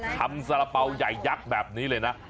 ทำสละเป้าใหญ่ใยคทิศแบบนี้เลยนะ